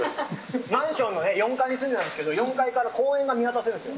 マンションの４階に住んでたんですけど４階から公園が見渡せるんですよ。